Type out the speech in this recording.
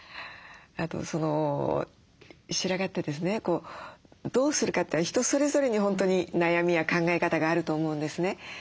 あと白髪ってですねどうするかって人それぞれに本当に悩みや考え方があると思うんですね。